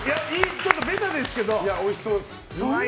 ちょっとベタですけど。